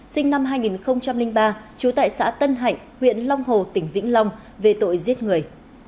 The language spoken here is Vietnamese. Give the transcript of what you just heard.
sinh năm hai nghìn ba trú tại xã tân hạnh huyện long hồ tỉnh vĩnh long về tội giết người